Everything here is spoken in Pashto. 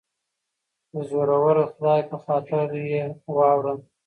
دزورور خدای په خاطر یه واوره